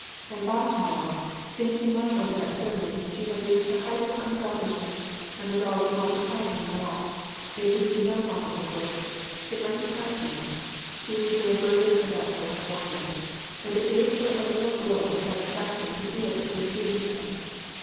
And by to morrow, thinking much over that sermon, she had reached the heights of unselfishness, and resolved not to tell him at all ; it could do no possible good ; it might depress him. She would bear burdens of that sort for him ; and it gave her a little glow of satisfaction to feel that she was doing so.